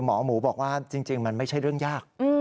หมอหมูบอกว่าจริงมันไม่ใช่เรื่องยาก